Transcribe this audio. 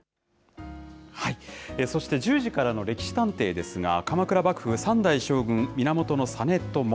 そして１０時からの歴史探偵ですが、鎌倉幕府三代将軍源実朝。